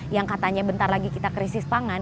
yang katanya bentar lagi kita krisis pangan